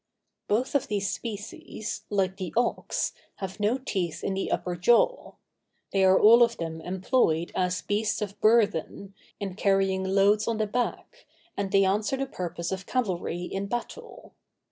Both of these species, like the ox, have no teeth in the upper jaw. They are all of them employed as beasts of burthen, in carrying loads on the back, and they answer the purpose of cavalry in battle.